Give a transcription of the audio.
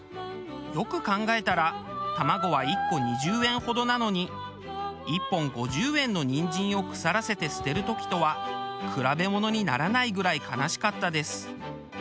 よく考えたら卵は１個２０円ほどなのに１本５０円のニンジンを腐らせて捨てる時とは比べものにならないぐらい悲しかったです。